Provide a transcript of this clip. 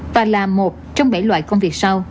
và là một trong bảy loại công việc sau